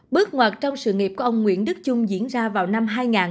bước ngoặt trong sự nghiệp của ông nguyễn đức trung diễn ra vào năm hai nghìn một mươi năm